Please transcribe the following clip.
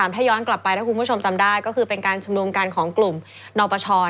ถ้าย้อนกลับไปถ้าคุณผู้ชมจำได้ก็คือเป็นการชุมนุมกันของกลุ่มนปช